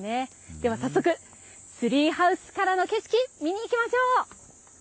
では早速ツリーハウスからの景色見に行きましょう。